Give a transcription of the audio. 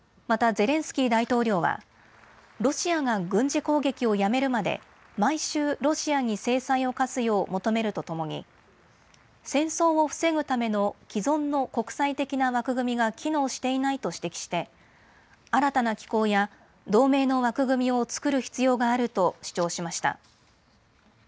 またゼレンスキー大統領は、ロシアが軍事攻撃をやめるまで毎週、ロシアに制裁を科すよう求めるとともに戦争を防ぐための既存の国際的な枠組みが機能していないと指摘して新たな機構や同盟の枠組みを作る必要があると主張しました。